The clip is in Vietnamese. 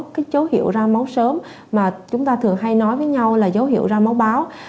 cái dấu hiệu ra máu sớm mà chúng ta thường hay nói với nhau là dấu hiệu ra máu báo